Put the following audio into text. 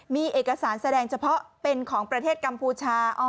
มีเอกสารแสดงเฉพาะเป็นของประเทศกัมพูชา